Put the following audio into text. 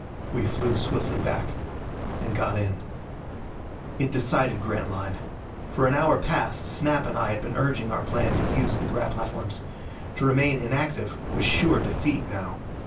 We flew swiftly back and got in. It decided Grantline. For an hour past Snap and I had been urging our plan to use the gravity platforms. To remain inactive was sure defeat now.